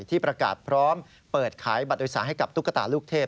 ที่ประกาศพร้อมเปิดขายบัตรโดยสารให้กับตุ๊กตาลูกเทพ